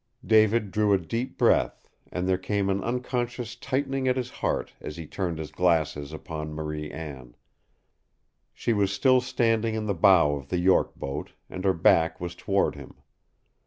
David drew a deep breath, and there came an unconscious tightening at his heart as he turned his glasses upon Marie Anne. She was still standing in the bow of the York boat, and her back was toward him.